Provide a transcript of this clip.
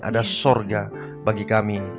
ada surga bagi kami